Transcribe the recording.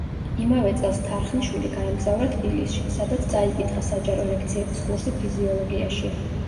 იმავე წელს თარხნიშვილი გაემგზავრა თბილისში, სადაც წაიკითხა საჯარო ლექციების კურსი ფიზიოლოგიაში.